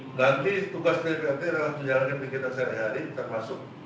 nanti tugas dari plt adalah menjalani penyelidikan sehari hari termasuk